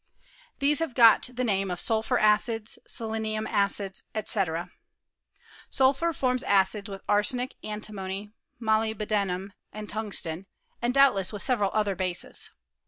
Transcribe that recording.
These have got the name of sulphur acids, selenium acids, &c. Sulphur forms acids with arsenic, antimony, molybdenum, and tungsten, and doubtless with several other bases.